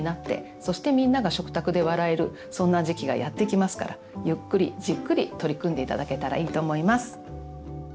そしてみんなが食卓で笑えるそんな時期がやって来ますからゆっくりじっくり取り組んで頂けたらいいと思います。